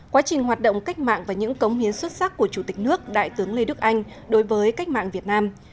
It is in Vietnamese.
quá trình hoạt động cách mạng và những cống hiến xuất sắc của chủ tịch nước đại tướng lê đức anh đối với cách mạng việt nam